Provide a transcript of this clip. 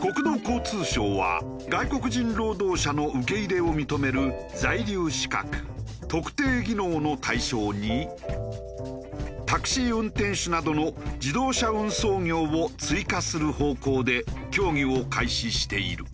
国土交通省は外国人労働者の受け入れを認める在留資格特定技能の対象にタクシー運転手などの自動車運送業を追加する方向で協議を開始している。